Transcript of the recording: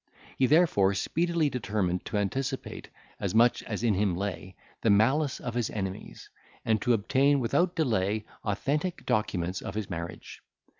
He therefore speedily determined to anticipate, as much as in him lay, the malice of his enemies, and to obtain, without delay, authentic documents of his marriage.